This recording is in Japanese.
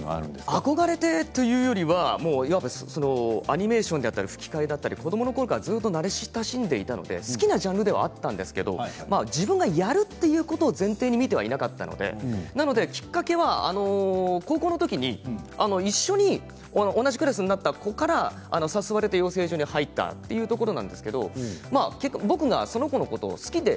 憧れてというよりはアニメーションがだったり吹き替えだったり子どものころからずっと慣れ親しんでいたので好きなジャンルではあったんですけど自分がやるということは前提に見てはいなかったのできっかけは高校の時に一緒に同じクラスになった子から誘われて養成所に入ったというところなんですけど、僕がその子のことが好きで